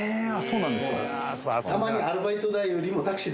そうなんです。